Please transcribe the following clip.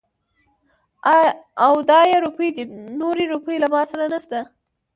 او دا يې روپۍ دي. نورې روپۍ له ما سره نشته.